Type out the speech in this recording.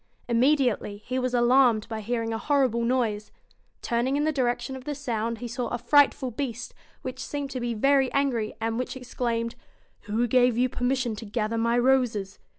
Immediately he was alarmed by hearing a horrible noise. Turning in the direction of the sound, he saw a frightful Beast, which seemed to be very angry, and which exclaimed 'Who gave you permission to gather my roses?